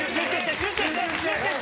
集中して！